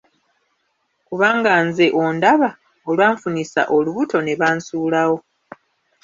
Kubanga nze ondaba, olwanfunisa olubuto ne bansuulawo.